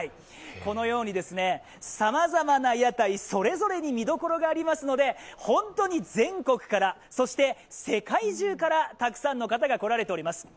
このようにさまざまな屋台それぞれに見どころがありますので本当に全国から、そして世界中からたくさんの方が来られております。